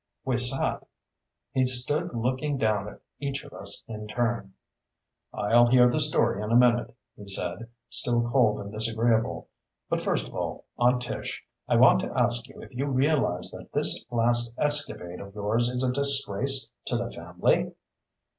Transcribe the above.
We sat. He stood looking down at each of us in turn. "I'll hear the story in a minute," he said, still cold and disagreeable. "But first of all, Aunt Tish, I want to ask you if you realize that this last escapade of yours is a disgrace to the family?"